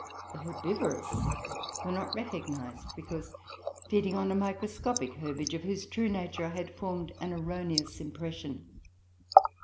The herbivorous were not recognised, because feeding on a microscopic herbage, of whose true nature I had formed an erroneous impression.